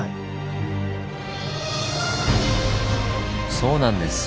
そうなんです。